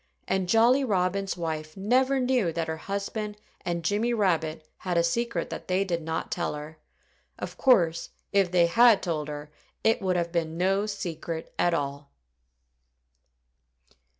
And Jolly Robin's wife never knew that her husband and Jimmy Rabbit had a secret that they did not tell her. Of course, if they had told her it would have been no secret at all.